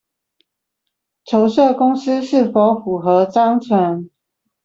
籌設公司是否符合章程